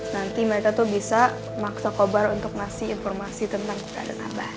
nanti mereka tuh bisa maksa kobar untuk ngasih informasi tentang keadaan abah